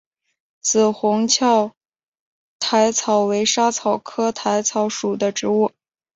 紫红鞘薹草为莎草科薹草属的植物。